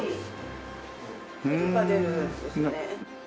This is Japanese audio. てりが出るんですね。